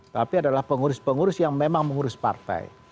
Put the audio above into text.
tapi adalah pengurus pengurus yang memang mengurus partai